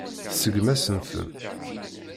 Tseggmeḍ-asen-ten.